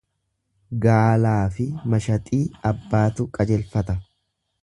Gaalaafi mashaxii abbaatu qajelfata.